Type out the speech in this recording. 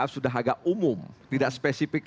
sudah agak umum tidak spesifik